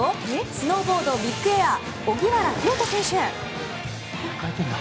スノーボード・ビッグエア荻原大翔選手。